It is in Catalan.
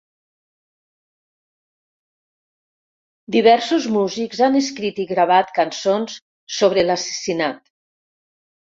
Diversos músics han escrit i gravat cançons sobre l'assassinat.